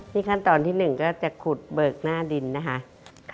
นี่ขั้นตอนที่๑ก็จะขุดเบิกหน้าดินนะคะ